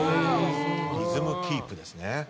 リズムキープですね。